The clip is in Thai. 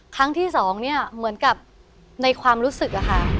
ครั้งที่สองเนี่ยเหมือนกับในความรู้สึกอะค่ะ